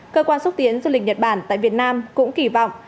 cơ quan xúc tiến du lịch nhật bản tại việt nam cũng kỳ vọng